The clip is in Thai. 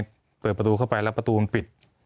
มีความรู้สึกว่ามีความรู้สึกว่า